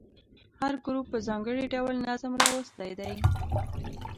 هر ګروپ په ځانګړي ډول نظم راوستی دی.